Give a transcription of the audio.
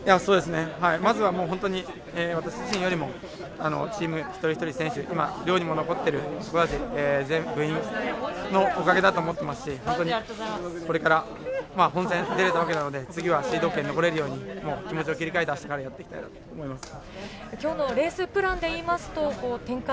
まずは本当に私自身よりもチーム一人一人、選手、寮にも残っている人たち、全部員のおかげだと思っていますし、これから本戦出れるわけなので、次はシード権に残れるように気持ちを切り替えて、明日からやっていきたいと思います。